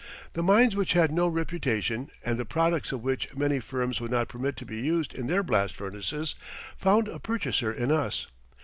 The mines which had no reputation and the products of which many firms would not permit to be used in their blast furnaces found a purchaser in us.